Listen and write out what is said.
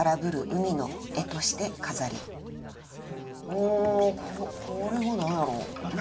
ほうこれは何やろう。